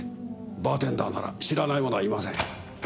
バーテンダーなら知らない者はいません。